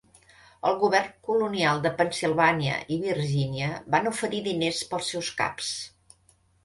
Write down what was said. El govern colonial de Pennsilvània i Virgínia van oferir diners pels seus caps.